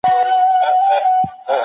پوهنتون د میني ولوله که غواړې